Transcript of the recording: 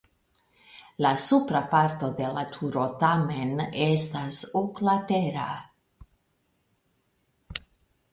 La supra parto de la turo tamen estas oklatera.